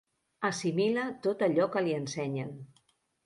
Assimila tot allò que li ensenyen.